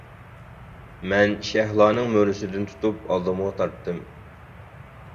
مەن شەھلانىڭ مۈرىسىدىن تۇتۇپ ئالدىمغا تارتتىم.